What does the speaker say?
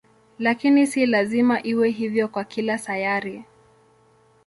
Lakini si lazima iwe hivyo kwa kila sayari.